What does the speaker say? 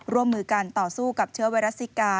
ร่วมมือกันต่อสู้กับเชื้อไวรัสซิกา